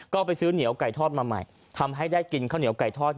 ก็ไปซื้อเหนียวไก่ทอดมาใหม่ทำให้ได้กินข้าวเหนียวไก่ทอด